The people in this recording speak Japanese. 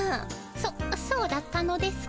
そそうだったのですか。